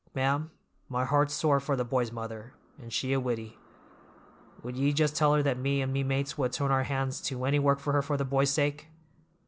Ma'am, my heart's sore for the boy's mother, and she a widdy. Would ye just tell her that me and me mates would turn our hands to any work for her for the boy's sake?